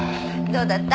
どうだった？